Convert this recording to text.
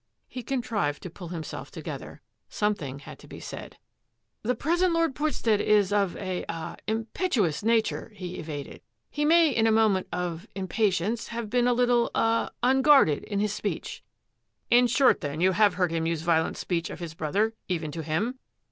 He contrived to pull himself together. Some thing had to be said. " The present Lord Port stead is of a — ah — impetuous nature," he evaded. " He may in a moment of — impatience have been a little — ah — unguarded — in his speech." " In short then you have heard him use violent speech of his brother — even to him